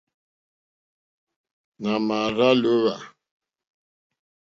Nà mà àrzá lǒhwà.